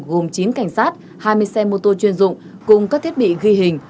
gồm chín cảnh sát hai mươi xe mô tô chuyên dụng cùng các thiết bị ghi hình